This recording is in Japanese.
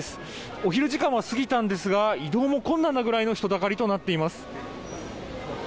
お昼時間は過ぎたんですが移動も困難なぐらいの人だかりとなっています。